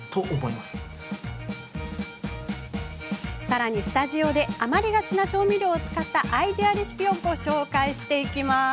さらにスタジオでは余りがちな調味料を使ったアイデアレシピ、ご紹介します。